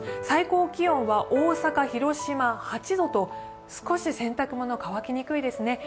最高気温は大阪、広島、８度と少し洗濯物、乾きにくいですね。